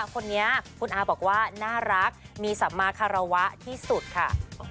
คนนี้อาบอกว่าน่ารักมีสรรคาราวะที่สุดค่ะ